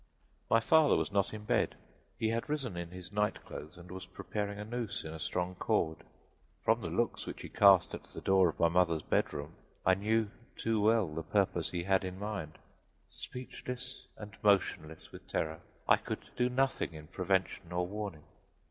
My father was not in bed; he had risen in his night clothes and was preparing a noose in a strong cord. From the looks which he cast at the door of my mother's bedroom I knew too well the purpose that he had in mind. Speechless and motionless with terror, I could do nothing in prevention or warning.